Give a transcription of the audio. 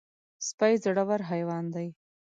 سپي زړور حیوان دی.